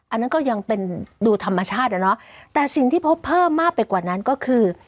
อันนั้นก็ยังเป็นดูธรรมชาติอ่ะเนอะแต่สิ่งที่พบเพิ่มมากไปกว่านั้นก็คือ